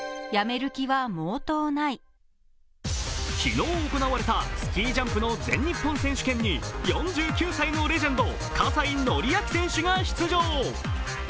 昨日行われたスキージャンプの全日本選手権に４９歳のレジェンド葛西紀明選手が出場。